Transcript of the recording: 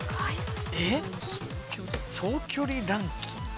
え、総距離ランキング。